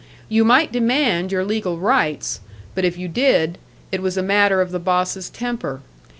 You might demand your legal rights, but if you did, it was a matter of the boss's temper.